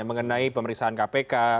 mengenai pemeriksaan kpk